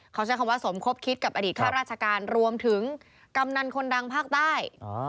เขาใช้คำว่าสมคบคิดกับอดีตข้าราชการรวมถึงกำนันคนดังภาคใต้